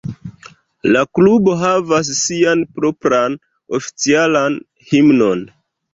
La klubo havas sian propran oficialan himnon.